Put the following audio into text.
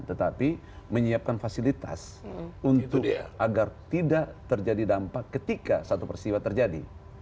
tetapi menyiapkan fasilitas untuk agar tidak terjadi dampak ketika satu peristiwa terjadi